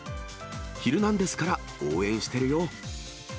ヒルナンデス！から応援してるよー！